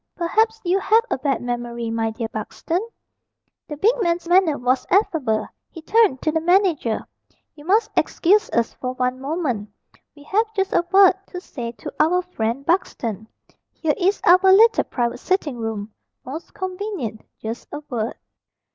Perhaps you have a bad memory, my dear Buxton." The big man's manner was affable. He turned to the manager. "You must excuse us for one moment, we have just a word to say to our friend Buxton. Here is our little private sitting room most convenient just a word."